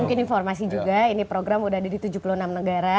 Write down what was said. mungkin informasi juga ini program sudah ada di tujuh puluh enam negara